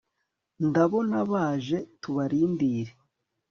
ndabona baje tubarindire